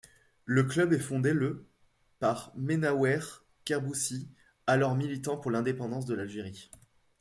Le club est fondé le par Menaouer Kerbouci, alors militant pour l’indépendance de l’Algérie.